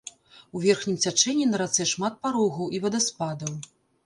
У верхнім цячэнні на рацэ шмат парогаў і вадаспадаў.